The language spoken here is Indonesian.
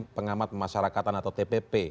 bahwa tim pengamat masyarakatan atau tpp